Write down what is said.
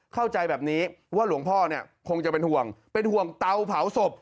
เข้าใจแบบนี้ว่าหลวงพ่อเนี่ยคงจะเป็นห่วงเป็นห่วงเตาเผาศพ